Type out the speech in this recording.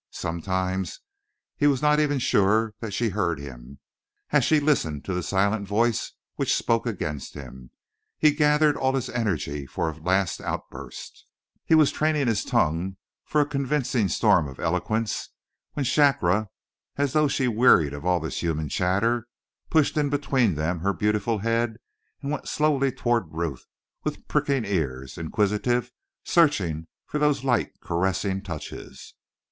Sometimes he was not even sure that she heard him, as she listened to the silent voice which spoke against him. He had gathered all his energy for a last outburst, he was training his tongue for a convincing storm of eloquence, when Shakra, as though she wearied of all this human chatter, pushed in between them her beautiful head and went slowly toward Ruth with pricking ears, inquisitive, searching for those light, caressing touches.